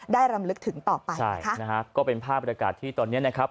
รำลึกถึงต่อไปใช่ค่ะนะฮะก็เป็นภาพบรรยากาศที่ตอนเนี้ยนะครับ